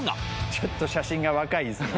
ちょっと写真が若いんですね